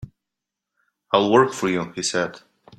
"I'll work for you," he said.